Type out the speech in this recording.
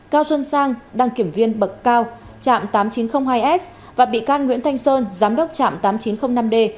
cao xuân sang đăng kiểm viên bậc cao trạm tám nghìn chín trăm linh hai s và bị can nguyễn thanh sơn giám đốc trạm tám nghìn chín trăm linh năm d